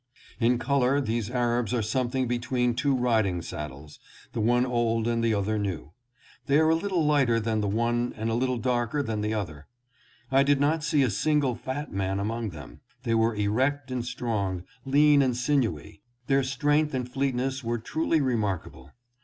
In color these Arabs are something between two riding saddles, the one old and the other new. They are a little lighter than the one and a little darker than the other. I did not see a single fat man among them. They were erect and strong, lean and sinewy. Their strength and fleetness were truly remarkable.